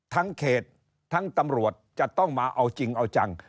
เขตทั้งตำรวจจะต้องมาเอาจริงเอาจัง